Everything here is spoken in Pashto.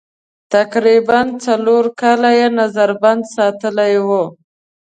تقریباً څلور کاله یې نظر بند ساتلي دي.